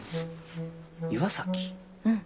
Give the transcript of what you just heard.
うん。